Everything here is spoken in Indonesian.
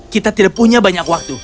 kita tidak punya banyak waktu